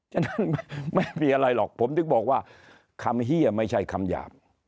ฉะนั้นไม่มีอะไรหรอกผมถึงบอกว่าคำเฮียไม่ใช่คำหยาบ